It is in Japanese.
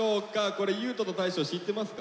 これ優斗と大昇知ってますか？